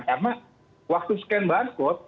karena waktu scan barcode